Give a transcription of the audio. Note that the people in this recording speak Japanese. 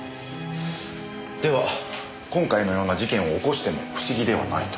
では今回のような事件を起こしても不思議ではないと？